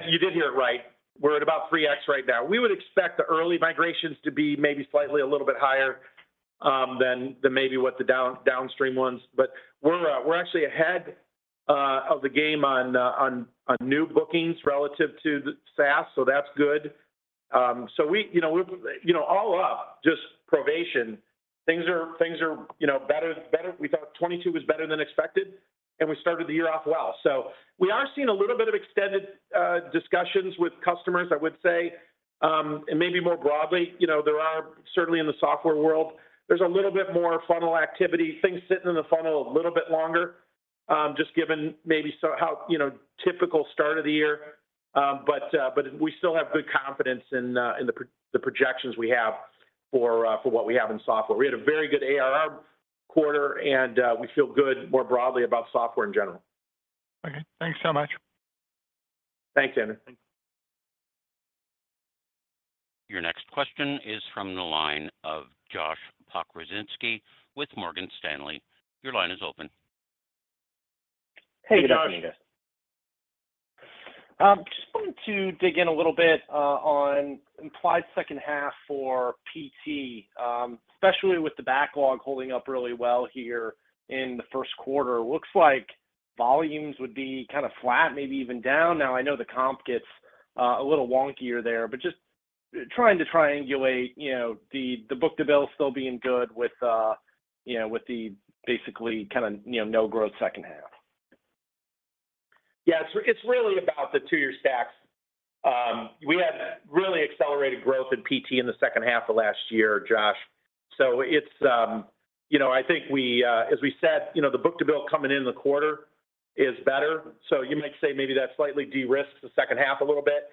You did hear it right. We're at about 3x right now. We would expect the early migrations to be maybe slightly a little bit higher than maybe what the downstream ones. We're actually ahead of the game on new bookings relative to the SaaS, so that's good. We, you know, all up, just Provation, things are, you know, better. We thought 2022 was better than expected, and we started the year off well. We are seeing a little bit of extended discussions with customers, I would say. Maybe more broadly, you know, there are certainly in the software world, there's a little bit more funnel activity, things sitting in the funnel a little bit longer, just given maybe so how, you know, typical start of the year. We still have good confidence in the projections we have for what we have in software. We had a very good ARR quarter. We feel good more broadly about software in general. Okay. Thanks so much. Thanks, Andrew. Your next question is from the line of Josh Pokrzywinski with Morgan Stanley. Your line is open. Hey, Josh. Good afternoon. Just wanted to dig in a little bit on implied second half for PT, especially with the backlog holding up really well here in the first quarter. Looks like. Volumes would be kind of flat, maybe even down. I know the comp gets a little wonkier there, but just trying to triangulate, you know, the book-to-bill still being good with, you know, with the basically kind of, you know, no growth second half. Yeah. It's really about the 2-year stacks. We had really accelerated growth in PT in the second half of last year, Josh. It's, you know. I think we, as we said, you know, the book-to-bill coming into the quarter is better. You might say maybe that slightly de-risks the second half a little bit,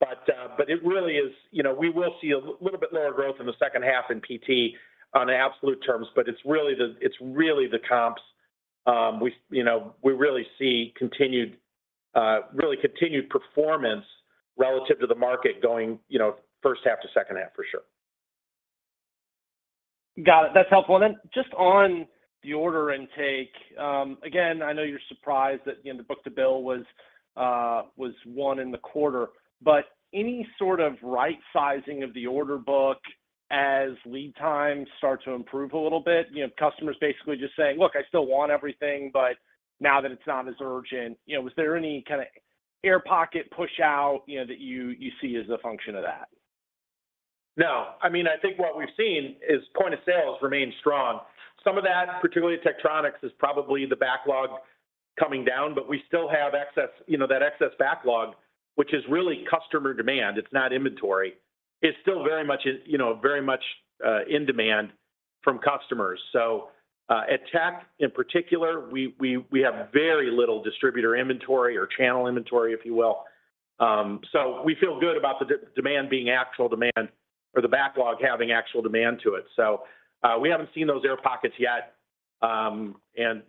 but it really is. You know, we will see a little bit lower growth in the second half in PT on absolute terms, but it's really the comps. We, you know, we really see continued performance relative to the market going, you know, first half to second half for sure. Got it. That's helpful. Just on the order intake, again, I know you're surprised that, you know, the book-to-bill was 1 in the quarter, any sort of right sizing of the order book as lead times start to improve a little bit? You know, customers basically just saying, "Look, I still want everything, but now that it's not as urgent." You know, was there any kind of air pocket push out, you know, that you see as a function of that? I mean, I think what we've seen is point of sales remain strong. Some of that, particularly Tektronix, is probably the backlog coming down, but we still have excess, you know, that excess backlog, which is really customer demand, it's not inventory. It's still very much in, you know, very much in demand from customers. At Tech, in particular, we have very little distributor inventory or channel inventory, if you will. We feel good about the demand being actual demand or the backlog having actual demand to it. We haven't seen those air pockets yet. You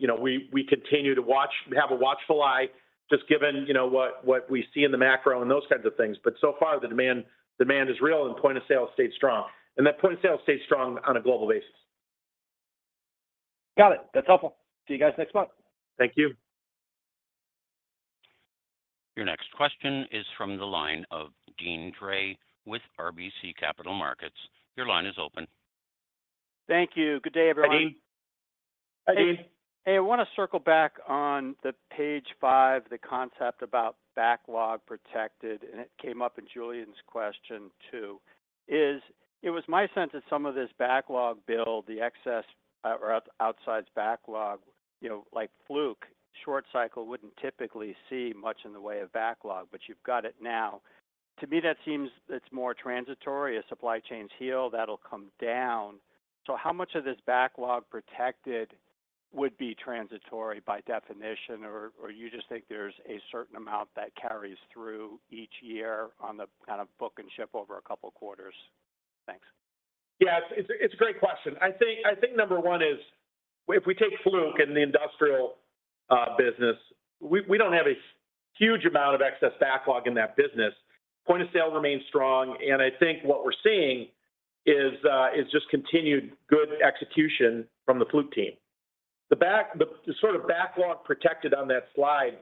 know, we continue to watch. We have a watchful eye just given, you know, what we see in the macro and those types of things. so far the demand is real and point of sale stays strong, and that point of sale stays strong on a global basis. Got it. That's helpful. See you guys next month. Thank you. Your next question is from the line of Deane Dray with RBC Capital Markets. Your line is open. Thank you. Good day, everyone. Hi, Deane. Hi, Deane. Hey, I wanna circle back on the page 5, the concept about backlog protected, it came up in Julian's question too, is it was my sense that some of this backlog build the excess or outside backlog, you know, like Fluke short cycle wouldn't typically see much in the way of backlog, but you've got it now. To me, that seems it's more transitory. As supply chains heal, that'll come down. How much of this backlog protected would be transitory by definition, or you just think there's a certain amount that carries through each year on the kind of book and ship over a couple of quarters? Thanks. It's a great question. I think number one is if we take Fluke in the industrial business, we don't have a huge amount of excess backlog in that business. Point of sale remains strong. I think what we're seeing is just continued good execution from the Fluke team. The sort of backlog protected on that slide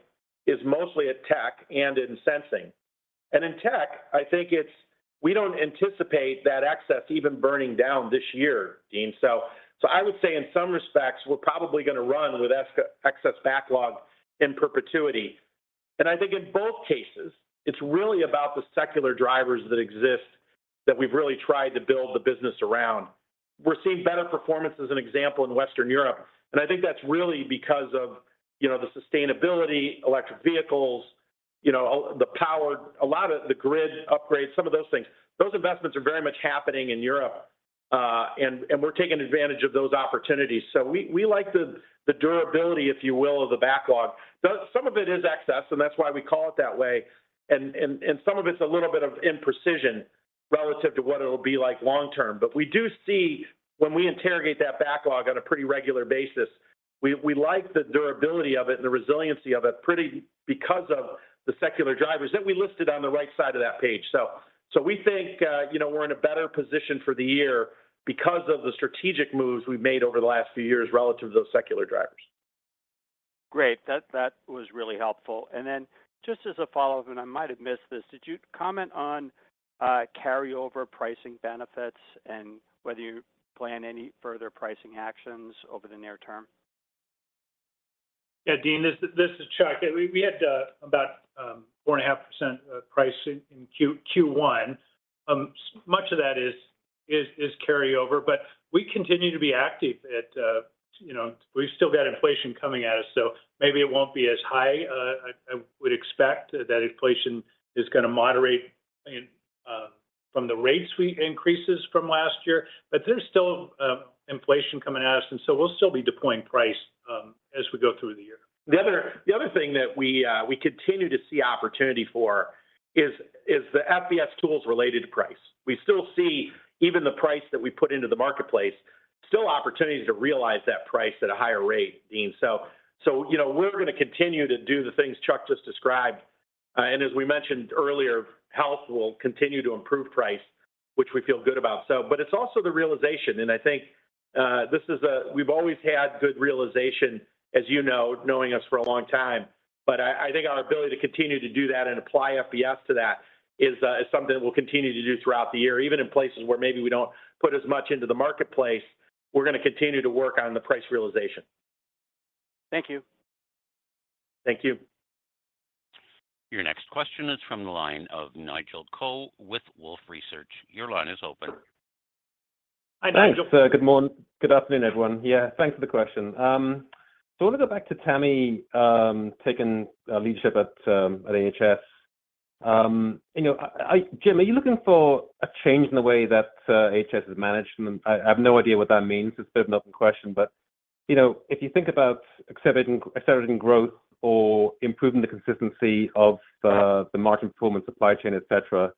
is mostly at Tech and in Sensing. In Tech, I think it's we don't anticipate that excess even burning down this year, Deane. I would say in some respects, we're probably gonna run with excess backlog in perpetuity. I think in both cases, it's really about the secular drivers that exist that we've really tried to build the business around. We're seeing better performance as an example in Western Europe, and I think that's really because of, you know, the sustainability electric vehicles, you know, all the power, a lot of the grid upgrades, some of those things. Those investments are very much happening in Europe, and we're taking advantage of those opportunities. We like the durability, if you will, of the backlog. Some of it is excess, and that's why we call it that way, and some of it's a little bit of imprecision relative to what it'll be like long term. We do see when we interrogate that backlog on a pretty regular basis, we like the durability of it and the resiliency of it pretty because of the secular drivers that we listed on the right side of that page. We think, you know, we're in a better position for the year because of the strategic moves we've made over the last few years relative to those secular drivers. Great. That was really helpful. Just as a follow-up, and I might have missed this, did you comment on carryover pricing benefits and whether you plan any further pricing actions over the near term? Yeah, Deane, this is Chuck. We had about 4.5% of price in first quarter. Much of that is carryover, but we continue to be active at, you know. We've still got inflation coming at us, so maybe it won't be as high. I would expect that inflation is gonna moderate from the rate suite increases from last year. There's still inflation coming at us, and so we'll still be deploying price as we go through the year. The other thing that we continue to see opportunity for is the FBS tools related to price. We still see even the price that we put into the marketplace, still opportunities to realize that price at a higher rate, Deane. You know, we're gonna continue to do the things Chuck just described. As we mentioned earlier, health will continue to improve price, which we feel good about. It's also the realization, and I think, We've always had good realization, as you know, knowing us for a long time. I think our ability to continue to do that and apply FBS to that is something that we'll continue to do throughout the year, even in places where maybe we don't put as much into the marketplace, we're gonna continue to work on the price realization. Thank you. Thank you. Your next question is from the line of Nigel Coe with Wolfe Research. Your line is open. Hi, Nigel. Thanks. Good afternoon, everyone. Yeah, thanks for the question. I wanna go back to Tami taking leadership at AHS. You know, Jim, are you looking for a change in the way that AHS is managed? I have no idea what that means. It's a bit of an open question, but, you know, if you think about accelerating growth or improving the consistency of the margin performance, supply chain, etc,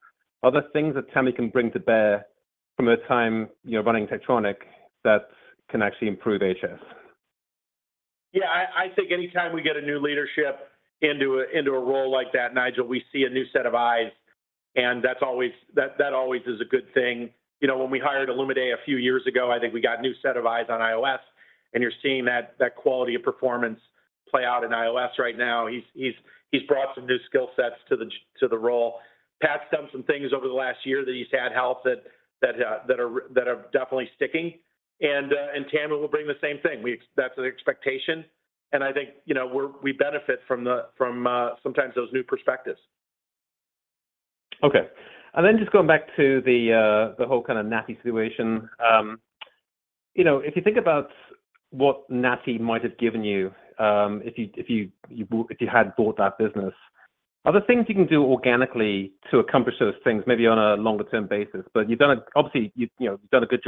are there things that Tami can bring to bear from her time, you know, running Tektronix that can actually improve AHS? Yeah. I think anytime we get a new leadership into a role like that, Nigel, we see a new set of eyes, and that's always a good thing. You know, when we hired Olumide a few years ago, I think we got a new set of eyes on IOS, and you're seeing that quality of performance play out in IOS right now. He's brought some new skill sets to the role. Pat's done some things over the last year that he's had help that are definitely sticking. Tami will bring the same thing. That's the expectation. I think, you know, we benefit from sometimes those new perspectives. Okay. Just going back to the whole kind of National Instruments situation. You know, if you think about what National Instruments might have given you, if you had bought that business, are there things you can do organically to accomplish those things maybe on a longer term basis? Obviously, you've, you know, you've done a good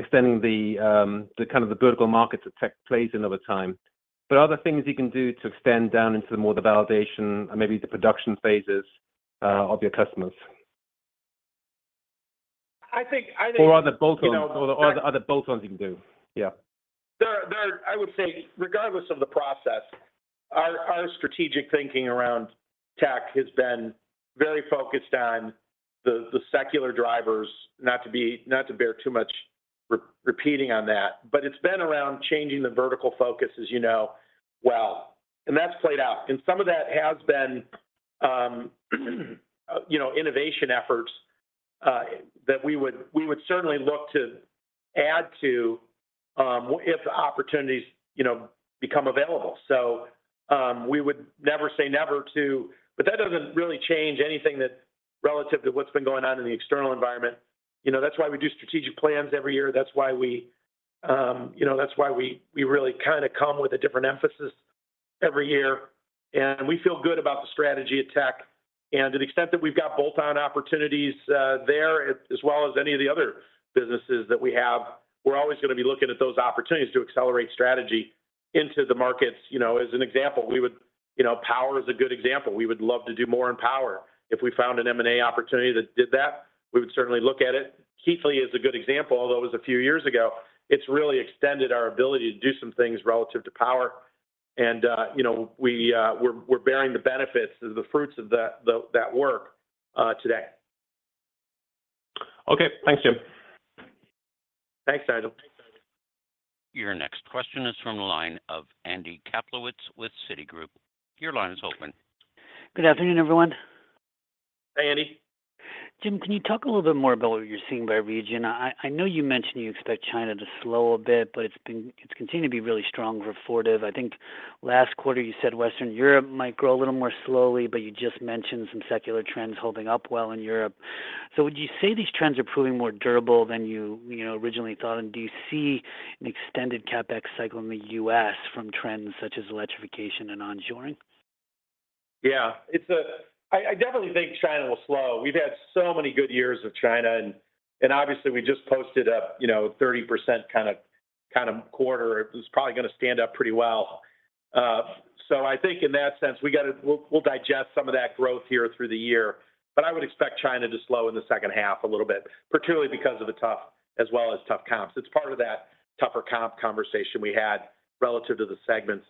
job of extending the kind of the vertical markets that Tech plays in over time. Are there things you can do to extend down into more the validation or maybe the production phases, of your customers? I think. are there bolt-ons... You know. Are there bolt-ons you can do? Yeah. There, I would say regardless of the process, our strategic thinking around Tech has been very focused on the secular drivers, not to bear too much re-repeating on that. It's been around changing the vertical focus, as you know well, and that's played out. Some of that has been, you know, innovation efforts, that we would certainly look to add to, if opportunities, you know, become available. We would never say never to... That doesn't really change anything that's relative to what's been going on in the external environment. You know, that's why we do strategic plans every year. That's why we, you know, that's why we really kind of come with a different emphasis every year. We feel good about the strategy at Tech. To the extent that we've got bolt-on opportunities, there, as well as any of the other businesses that we have, we're always gonna be looking at those opportunities to accelerate strategy into the markets. You know, as an example, we would. You know, power is a good example. We would love to do more in power. If we found an M&A opportunity that did that, we would certainly look at it. Keithley is a good example, although it was a few years ago. It's really extended our ability to do some things relative to power. You know, we're bearing the benefits of the fruits of that work today. Okay. Thanks, Jim. Thanks, Nigel. Your next question is from the line of Andy Kaplowitz with Citigroup. Your line is open. Good afternoon, everyone. Hi, Andy. Jim, can you talk a little bit more about what you're seeing by region? I know you mentioned you expect China to slow a bit, it's continued to be really strong for Fortive. I think last quarter you said Western Europe might grow a little more slowly, you just mentioned some secular trends holding up well in Europe. Would you say these trends are proving more durable than you know, originally thought? Do you see an extended CapEx cycle in the U.S. from trends such as electrification and onshoring? Yeah. I definitely think China will slow. We've had so many good years of China and obviously we just posted a, you know, 30% kinda quarter. It was probably gonna stand up pretty well. I think in that sense, we'll digest some of that growth here through the year. I would expect China to slow in the second half a little bit, particularly because of the tough as well as tough comps. It's part of that tougher comp conversation we had relative to the segments.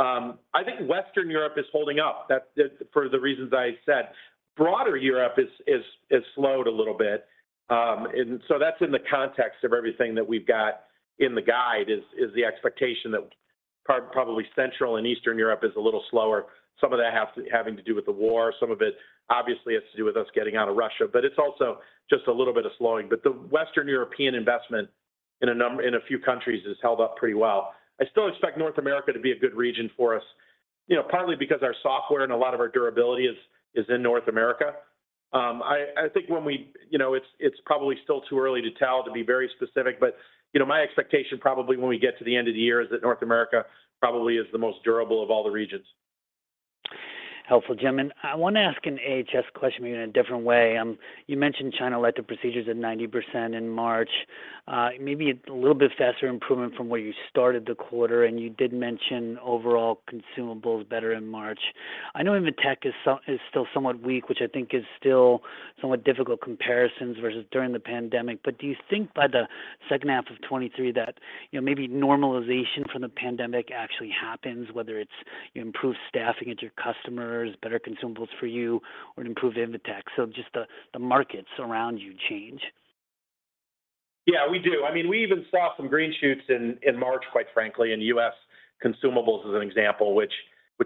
I think Western Europe is holding up. That's for the reasons I said. Broader Europe is slowed a little bit. That's in the context of everything that we've got in the guide is the expectation that probably Central and Eastern Europe is a little slower. Some of that having to do with the war, some of it obviously has to do with us getting out of Russia, but it's also just a little bit of slowing. The Western European investment in a few countries has held up pretty well. I still expect North America to be a good region for us, you know, partly because our software and a lot of our durability is in North America. I think when we You know, it's probably still too early to tell, to be very specific. You know, my expectation probably when we get to the end of the year is that North America probably is the most durable of all the regions. Helpful, Jim. I wanna ask an AHS question maybe in a different way. You mentioned China elective procedures at 90% in March. Maybe a little bit faster improvement from where you started the quarter, and you did mention overall consumables better in March. I know Invetech is still somewhat weak, which I think is still somewhat difficult comparisons versus during the pandemic. Do you think by the second half of 2023 that, you know, maybe normalization from the pandemic actually happens, whether it's you improve staffing at your customers, better consumables for you, or an improved Invetech, so just the markets around you change? Yeah, we do. I mean, we even saw some green shoots in March, quite frankly, in US consumables as an example, which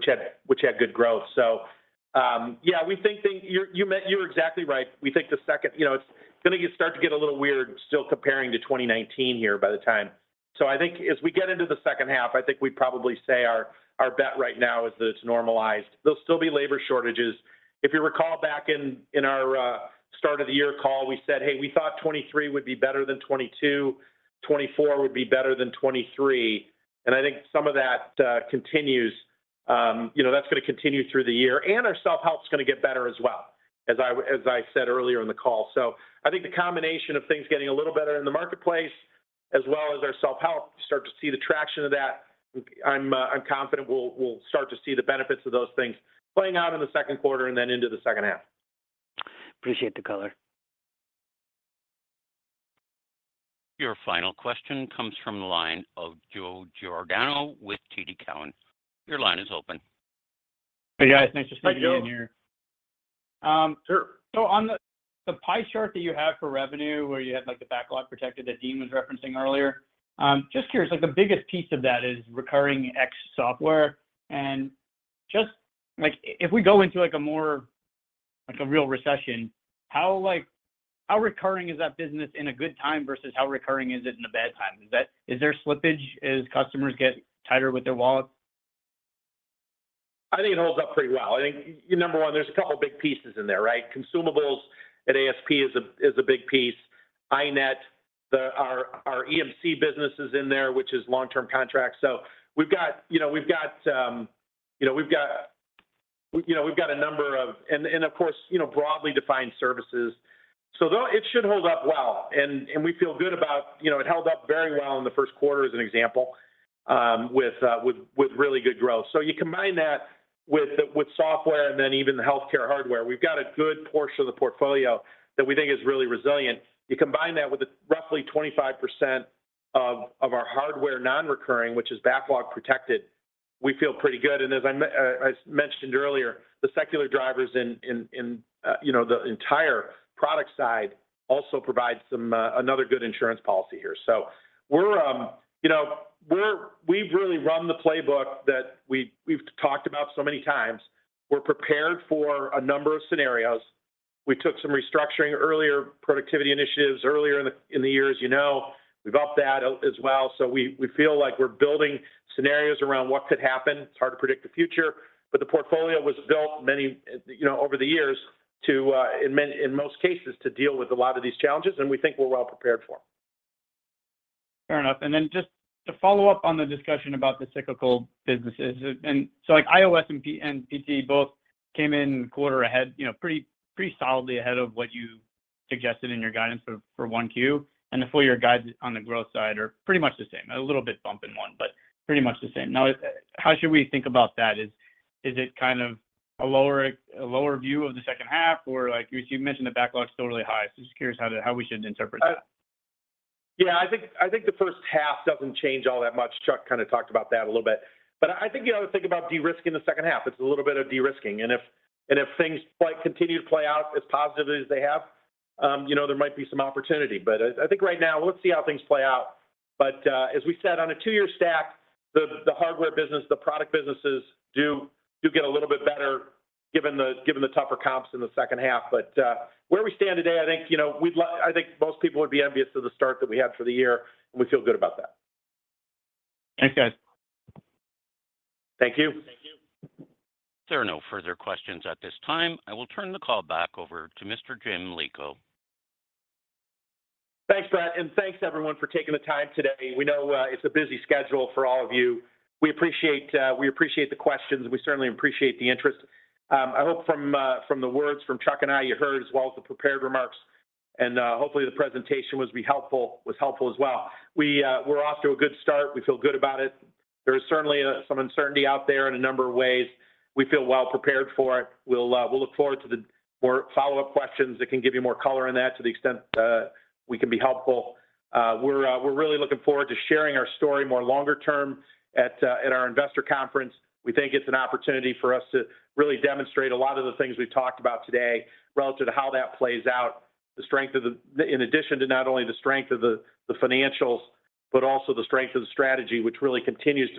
had good growth. Yeah, we think that you're exactly right. We think the second. You know, it's gonna start to get a little weird still comparing to 2019 here by the time. I think as we get into the second half, I think we'd probably say our bet right now is that it's normalized. There'll still be labor shortages. If you recall back in our start of the year call, we said, "Hey, we thought 2023 would be better than 2022. 2024 would be better than 2023." I think some of that continues. you know, that's gonna continue through the year. Our self-help's gonna get better as well, as I said earlier in the call. I think the combination of things getting a little better in the marketplace as well as our self-help start to see the traction of that. I'm confident we'll start to see the benefits of those things playing out in the second quarter and then into the second half. Appreciate the color. Your final question comes from the line of Joe Giordano with TD Cowen. Your line is open. Hey, guys. Nice to see you again here. Hi, Joe. Sure. On the pie chart that you have for revenue where you had, like, the backlog protected that Deane was referencing earlier, just curious, like, the biggest piece of that is recurring X software. Just, like, if we go into, like, a more, like, a real recession, how, like, how recurring is that business in a good time versus how recurring is it in a bad time? Is there slippage as customers get tighter with their wallet? I think it holds up pretty well. I think, number one, there's a couple of big pieces in there, right? Consumables at ASP is a big piece. iNet, our EMC business is in there, which is long-term contracts. So we've got a number of... Of course, broadly defined services. Though it should hold up well, and we feel good about... It held up very well in the first quarter as an example, with really good growth. You combine that with software and then even the healthcare hardware. We've got a good portion of the portfolio that we think is really resilient. You combine that with roughly 25% of our hardware non-recurring, which is backlog protected, we feel pretty good. As mentioned earlier, the secular drivers in, you know, the entire product side also provides some another good insurance policy here. We've, you know, we've really run the playbook that we've talked about so many times. We're prepared for a number of scenarios. We took some restructuring earlier, productivity initiatives earlier in the year as you know. We've upped that as well. We feel like we're building scenarios around what could happen. It's hard to predict the future, but the portfolio was built many, you know, over the years to in most cases, to deal with a lot of these challenges, and we think we're well prepared for them. Fair enough. Then just to follow up on the discussion about the cyclical businesses. Like, IOS and PT both came in quarter ahead, you know, pretty solidly ahead of what you suggested in your guidance for Q1. The full year guides on the growth side are pretty much the same. A little bit bump in 1, but pretty much the same. How should we think about that? Is it kind of a lower view of the second half? Like you mentioned the backlog is still really high. Just curious how we should interpret that. Yeah, I think the first half doesn't change all that much. Chuck kind of talked about that a little bit. I think, you know, think about de-risking the second half. It's a little bit of de-risking. And if things continue to play out as positively as they have, you know, there might be some opportunity. I think right now let's see how things play out. As we said, on a two-year stack, the hardware business, the product businesses do get a little bit better given the tougher comps in the second half. Where we stand today, I think, you know, I think most people would be envious of the start that we had for the year, and we feel good about that. Thanks, guys. Thank you. There are no further questions at this time. I will turn the call back over to Mr. Jim Lico. Thanks, Brent. Thanks everyone for taking the time today. We know, it's a busy schedule for all of you. We appreciate, we appreciate the questions. We certainly appreciate the interest. I hope from the words from Chuck and I, you heard, as well as the prepared remarks. Hopefully, the presentation was helpful as well. We're off to a good start. We feel good about it. There is certainly, some uncertainty out there in a number of ways. We feel well prepared for it. We'll look forward to the for follow-up questions that can give you more color on that to the extent, we can be helpful. We're really looking forward to sharing our story more longer term at our investor conference. We think it's an opportunity for us to really demonstrate a lot of the things we've talked about today relative to how that plays out, the strength of the financials, but also the strength of the strategy, which really continues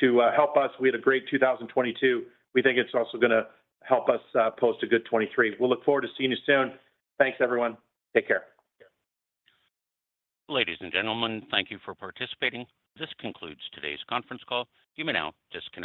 to help us. We had a great 2022. We think it's also gonna help us post a good 23. We'll look forward to seeing you soon. Thanks, everyone. Take care. Ladies and gentlemen, thank you for participating. This concludes today's conference call. You may now disconnect.